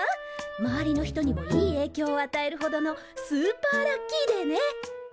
周りの人にもいいえいきょうを与えるほどのスーパーラッキーデーね。